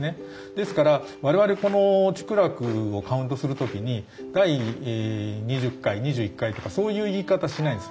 ですから我々この竹楽をカウントする時に第２０回２１回とかそういう言い方しないんですよ。